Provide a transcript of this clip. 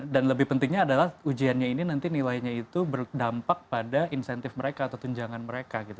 dan lebih pentingnya adalah ujiannya ini nanti nilainya itu berdampak pada insentif mereka atau tunjangan mereka gitu